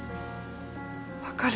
分かる。